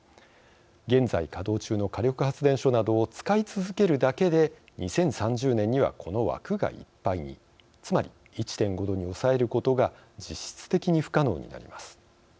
現在稼働中の火力発電所などを使い続けるだけで２０３０年にはこの枠がいっぱいにつまり１．５℃に抑えることが実質的に不可能になります。